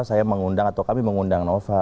saya mengundang atau kami mengundang nova